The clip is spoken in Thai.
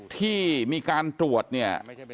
ที่มีการตรวจเนี่ย